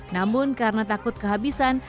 namun karena takut kehabisan